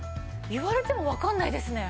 言われてもわかんないですね。